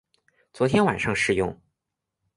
昨天晚上试用